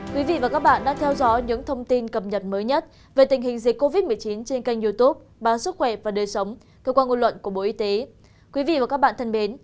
các bạn đã theo dõi những thông tin cập nhật mới nhất về tình hình dịch covid một mươi chín trên kênh youtube bán sức khỏe và đời sống cơ quan ngôn luận của bộ y tế